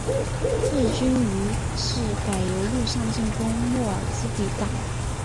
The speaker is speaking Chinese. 日军于是改由陆上进攻莫尔兹比港。